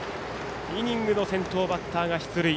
イニングの先頭バッターが出塁。